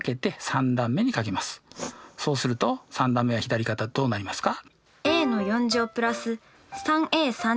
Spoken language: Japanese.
そうすると３段目は左からどうなりますか？